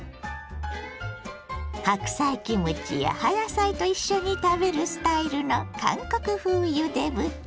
白菜キムチや葉野菜と一緒に食べるスタイルの韓国風ゆで豚。